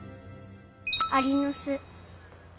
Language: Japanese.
アリのす。